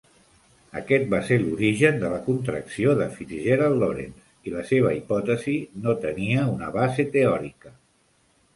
Aquest va ser l'origen de la contracció de FitzGerald-Lorentz, i la seva hipòtesi no tenia una base teòrica.